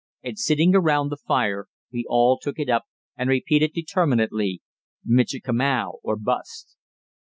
And sitting around the fire, we all took it up and repeated determinedly, "Michikamau or Bust!"